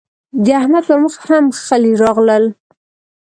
د احمد پر مخ هم خلي راغلل.